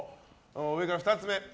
上から２つ目。